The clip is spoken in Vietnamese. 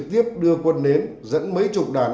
và tạ văn ninh